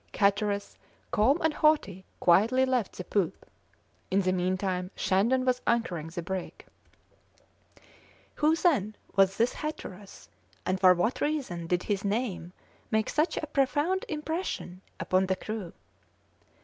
Hatteras, calm and haughty, quietly left the poop. In the meantime Shandon was anchoring the brig. Who, then, was this Hatteras, and for what reason did his name make such a profound impression upon the crew?